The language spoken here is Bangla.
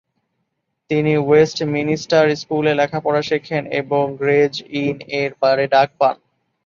তিনি ওয়েস্টমিনিস্টার স্কুলে লেখাপড়া শেখেন এবং গ্রে’জ ইন-এর বারে ডাক পান।